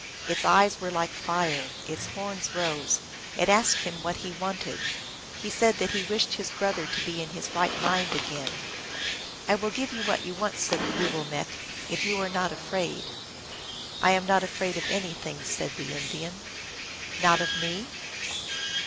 Its eyes were like fire ; its horns rose. It asked him what he wanted. He said that he wished his brother to be in his right mind again. " I will give you what you want," said the Wee willmekq ," if you are not afraid." " I am not afraid of anything," said the Indian. " Not of me